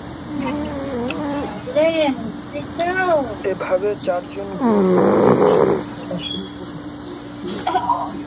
এভাবে চারজন গোল হয়ে বসে খেলা শুরু করবেন।